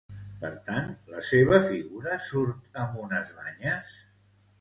Per tant, la seva figura surt amb unes banyes?